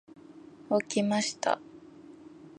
起きました。